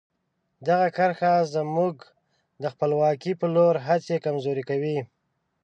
دغه کرښه زموږ د خپلواکۍ په لور هڅې کمزوري کوي.